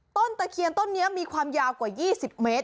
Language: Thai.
ตะเคียนต้นนี้มีความยาวกว่า๒๐เมตร